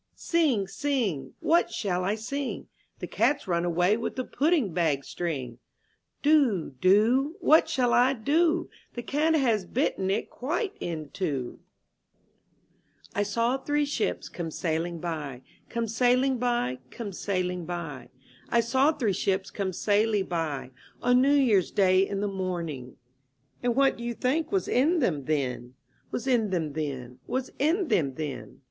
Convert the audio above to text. CING, Sing!— What shall I sing? ^ The Cat's run away with the Pudding Bag String. Do, Do!— What shall I do? The Cat has bitten it quite in two. 39 MY BOOK HOUSE T SAW three ships come sailing by, ■ Come sailing by, come sailing by; I saw three ships come sailing by. On New Year's Day in the morning. And what do you think was in them then, Was in them then, was in them then?